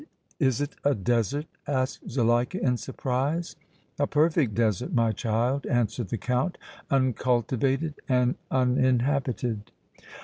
Is it a desert?" asked Zuleika, in surprise. "A perfect desert, my child," answered the Count, "uncultivated and uninhabited."